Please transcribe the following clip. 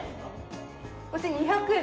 こっち２００円。